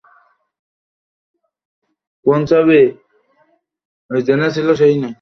ক্রিকেটকে যেমন স্বচ্ছ রাখতে হবে, একই সঙ্গে প্রাতিষ্ঠানিক স্বায়ত্তশাসনও নিশ্চিত করতে হবে।